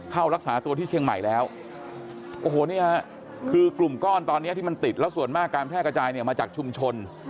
เข้ารักษาตัวที่เชียงใหม่แล้วโอ้โหเนี่ยคือกลุ่มก้อนตอนนี้ที่มันติดแล้วส่วนมากการแพร่กระจายเนี่ยมาจากชุมชน